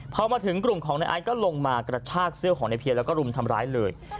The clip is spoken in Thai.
พอมาถึงกลุ่มของนายไอซ์ก็ลงมากระชากเสื้อของในเพียรแล้วก็รุมทำร้ายเลย